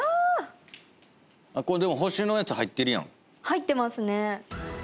入ってますね。